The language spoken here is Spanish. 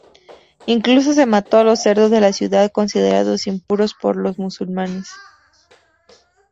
Incluso se mató a los cerdos de la ciudad, considerados impuros por los musulmanes.